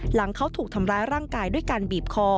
หลังเขาถูกทำร้ายร่างกายด้วยการบีบคอ